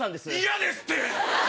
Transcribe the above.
嫌ですって！